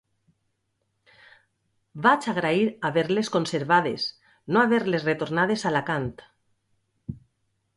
Vaig agrair haver-les conservades, no haver-les retornades a Alacant.